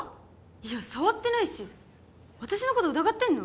いや触ってないし私のこと疑ってんの？